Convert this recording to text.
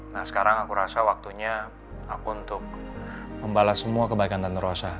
nah sekarang aku rasa waktunya aku untuk membalas semua kebaikan dan rosa